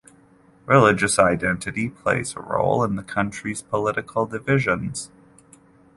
Religious identity plays a role in the country's political divisions.